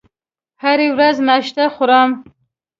هره ورځ ناشته خورم